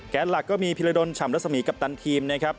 แก๊สหลักก็มีพิริโดรนฉ่ำระสมีกัปตันทีมนะครับ